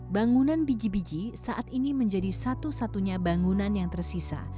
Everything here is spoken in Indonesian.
bangunan biji biji saat ini menjadi satu satunya bangunan yang tersisa